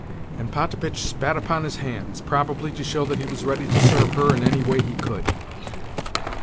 And Potapitch spat upon his hands—probably to show that he was ready to serve her in any way he could.